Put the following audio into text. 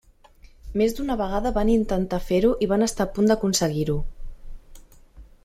Més d'una vegada van intentar fer-ho i van estar a punt d'aconseguir-ho.